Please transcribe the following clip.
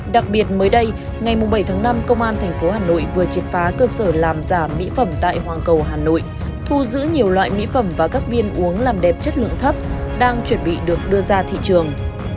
đặc biệt mới đây ngày bảy tháng năm công an tp hà nội vừa triệt phá cơ sở làm giả mỹ phẩm tại hoàng cầu hà nội thu giữ nhiều loại mỹ phẩm và các viên uống làm đẹp chất lượng thấp đang chuẩn bị được đưa ra thị trường